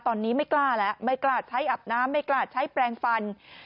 ตอนนี้ไม่กล้าแล้วไม่กล้าใช้อาบน้ำไม่กล้าใช้แปลงฟัน